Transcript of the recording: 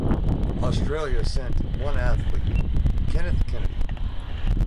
Australia sent one athlete, Kenneth Kennedy.